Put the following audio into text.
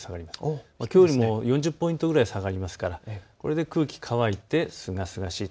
きょうよりも４０ポイントぐらい下がりますからこれで空気乾いてすがすがしい。